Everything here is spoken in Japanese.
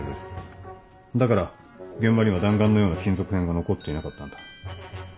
だから現場には弾丸のような金属片が残っていなかったんだ。